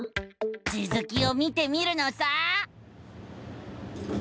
つづきを見てみるのさ！